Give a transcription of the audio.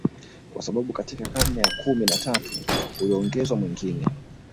kwa sababu katika karne ya kumi na tatu uliongezwa mwingine